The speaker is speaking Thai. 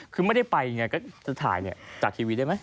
คือไม่ได้ไปไงก็จะถ่ายจากทีวีได้ไหม